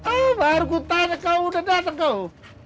oh baru ku tanya kau udah datang kau